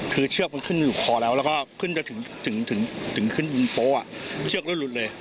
คือเชือกมันขึ้นอยู่คอแล้วแล้วก็ขึ้นจากถึงโป๊ะเชือกมันลุดเลย